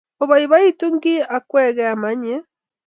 Opoipoiti key akwegey ,manye?